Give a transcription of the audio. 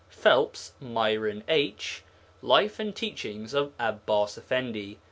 PHELPS, MYRON H. Life and Teachings of Abbas Effendi.